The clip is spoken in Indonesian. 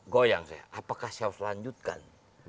goyang saya apakah saya harus lanjutkan